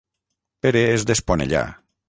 Pere és d'Esponellà